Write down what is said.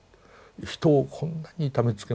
人をこんなに痛めつけました。